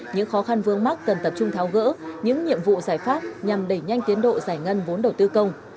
những khó khăn vướng mắt cần tập trung tháo gỡ những nhiệm vụ giải pháp nhằm đẩy nhanh tiến độ giải ngân vốn đầu tư công